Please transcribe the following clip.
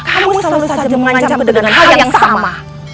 kamu selalu saja mengancam kedegangan hal yang sama